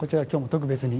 特別に。